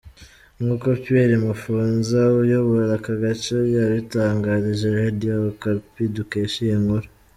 Nkuko Pierre Mufunza uyobora aka gace yabitangarije Radio Okapi dukesha iyi nkuru.